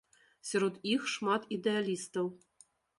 Сярод іх шмат ідэалістаў.